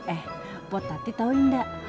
eh bu tati tau nggak